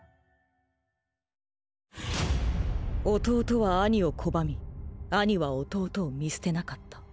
弟は兄を拒み兄は弟を見捨てなかった。